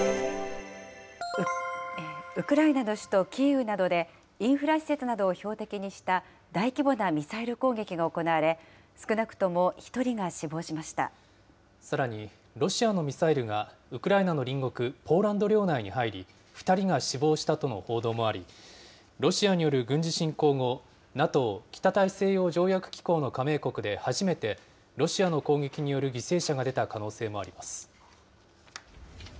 ウクライナの首都キーウなどで、インフラ施設などを標的にした大規模なミサイル攻撃が行われ、さらに、ロシアのミサイルがウクライナの隣国、ポーランド領内に入り、２人が死亡したとの報道もあり、ロシアによる軍事侵攻後、ＮＡＴＯ・北大西洋条約機構の加盟国で初めて、ロシアの攻撃による犠牲者が出た可能性もあります。